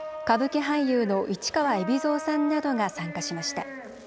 歌舞伎俳優の市川海老蔵さんなどが参加しました。